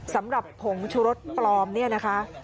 สำหรับผงชุรสปลอมนี่นะคะ